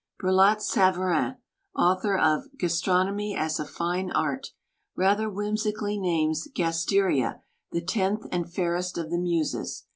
Brillat Savarin, author of "Gastronomy as a Fine Art," rather whimsically names "Gasteria" the tenth and fair est of the Muses.